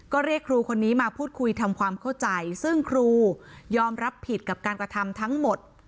ก็เรียกครูคนนี้มาพูดคุยทำความเข้าใจซึ่งครูยอมรับผิดกับการกระทำทั้งหมด